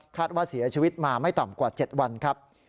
ว่าเสียชีวิตมาไม่ต่ำกว่า๗วันครับ